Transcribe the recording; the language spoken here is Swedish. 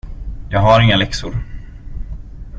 Jag har inga läxor!